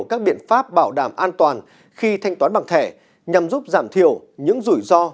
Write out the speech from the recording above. các biện pháp bảo đảm an toàn khi thanh toán bằng thẻ nhằm giúp giảm thiểu những rủi ro